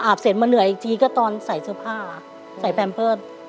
เสร็จมาเหนื่อยอีกทีก็ตอนใส่เสื้อผ้าใส่แพมเพิร์ต